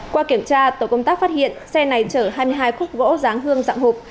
qua kiểm tra tổ công tác phát hiện xe này chở hai mươi hai khúc gỗ giáng hương dạng hộp